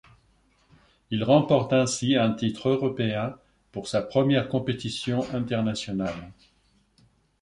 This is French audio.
Il remporte ainsi un titre européen pour sa première compétition internationale.